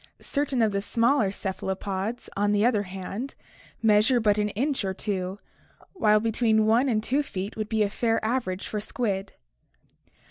Certain of the smaller cephalopods, on the other hand, measure but an inch or two, while between 1 and 2 feet would be a fair average for squid.